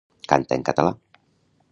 Canta en català.